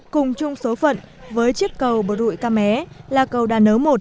cùng chung số phận với chiếc cầu bờ rụi ca mé là cầu đà nớ một